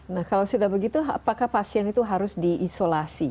nah kalau sudah begitu apakah pasien itu harus diisolasi